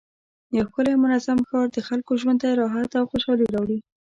یو ښکلی او منظم ښار د خلکو ژوند ته راحت او خوشحالي راوړي